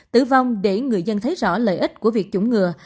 tử vong để người dân thấy rõ lợi ích của việc chủng ngừa